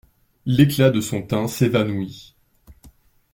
L'éclat de son teint s'évanouit.